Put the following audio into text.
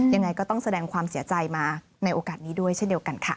ยังไงก็ต้องแสดงความเสียใจมาในโอกาสนี้ด้วยเช่นเดียวกันค่ะ